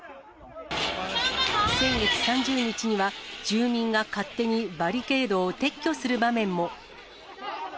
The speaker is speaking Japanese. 先月３０日には、住民が勝手にバリケードを撤去する場面も。